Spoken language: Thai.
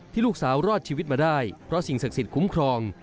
ลูกสาวรอดชีวิตมาได้เพราะสิ่งศักดิ์สิทธิ์คุ้มครอง